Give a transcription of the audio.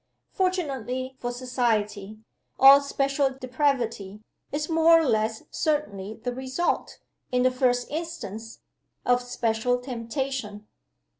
Fortunately for society, all special depravity is more or less certainly the result, in the first instance, of special temptation.